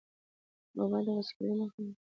اوبه د وچکالۍ مخه نیسي.